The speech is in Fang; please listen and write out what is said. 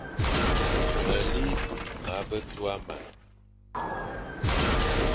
Meli ma be tua man,